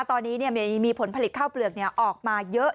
ตอนนี้มีผลผลิตข้าวเปลือกออกมาเยอะ